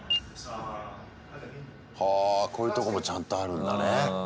はあこういうとこもちゃんとあるんだね。